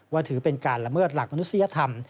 ถือเป็นการละเมิดหลักมนุษยธรรม